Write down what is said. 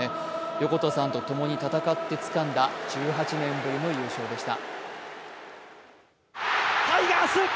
横田さんとともに戦ってつかんだ１８年ぶりの優勝でした。